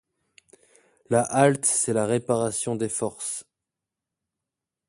La halte, c'est la réparation des forces.